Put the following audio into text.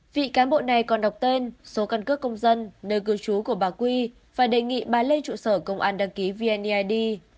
vị cán bộ này còn đọc tên số căn cước công dân nơi cư trú của bà quy và đề nghị bà lên trụ sở công an đăng ký vneid